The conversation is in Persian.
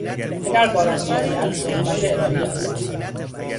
اگر باران بیاید موهبت الهی است.